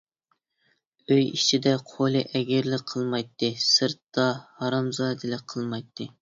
ئۆي ئىچىدە قولى ئەگرىلىك قىلمايتتى، سىرتتا ھارامزادىلىك قىلمايتتى.